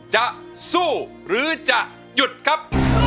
จะสู้หรือจะหยุดครับ